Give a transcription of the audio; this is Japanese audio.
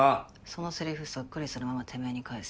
そのセリフそっくりそのままてめぇに返すよ。